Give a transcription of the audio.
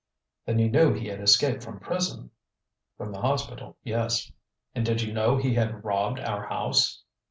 "Then you knew he had escaped from prison?" "From the hospital, yes." "And did you know he had robbed our house?"